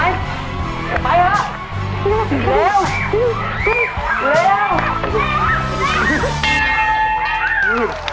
เยี่ยม